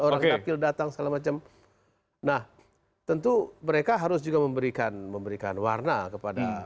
orang orang datang selama jam nah tentu mereka harus juga memberikan memberikan warna kepada